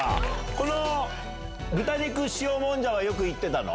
この豚肉塩もんじゃはよく行ってた？